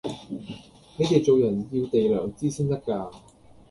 你哋做人要哋良知先得架